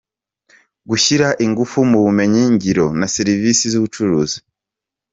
gushyira ingufu mu bumenyi ngiro na Serivisi z’ubucuruzi